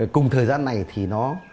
cùng thời gian này thì nó